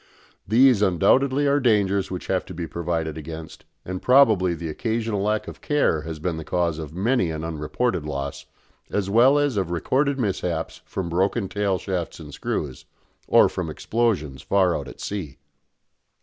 These undoubtedly are dangers which have to be provided against, and probably the occasional lack of care has been the cause of many an unreported loss, as well as of recorded mishaps from broken tail shafts and screws, or from explosions far out at sea.